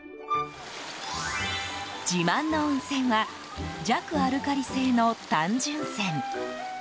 自慢の温泉は弱アルカリ性の単純泉。